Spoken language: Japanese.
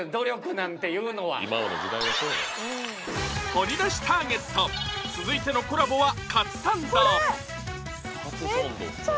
掘り出しターゲット続いてのコラボはカツサンドえっ